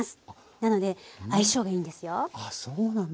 なので相性がいいんですよ。